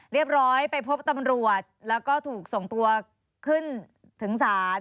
เรียบร้อยไปพบตำรวจแล้วก็ถูกส่งตัวขึ้นถึงศาล